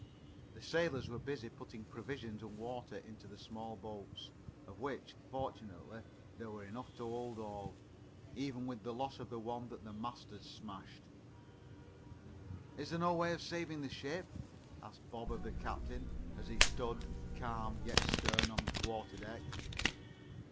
The sailors were busy putting provisions and water into the small boats, of which, fortunately, there were enough to hold all, even with the loss of the one the mast had smashed. "Is there no way of saving the ship?" asked Bob of the captain as he stood, calm, yet stern, on the quarter deck.